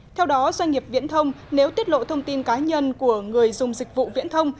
theo đó doanh nghiệp viễn thông nếu tiết lộ thông tin cá nhân của người dùng dịch vụ viễn thông